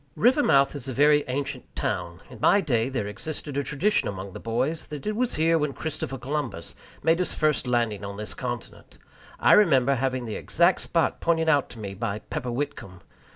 Rivermouth is a very ancient town. In my day there existed a tradition among the boys that it was here Christopher Columbus made his first landing on this continent. I remember having the exact spot pointed out to me by Pepper Whitcomb!